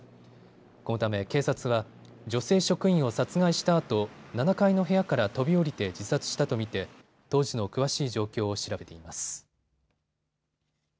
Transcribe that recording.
このため警察は女性職員を殺害したあと７階の部屋から飛び降りて自殺したと見て当時の詳しい状況を調べています。